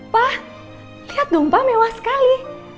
pak lihat dong pak mewah sekali